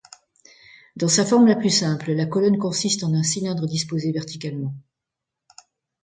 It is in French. Dans sa forme la plus simple, la colonne consiste en un cylindre disposé verticalement.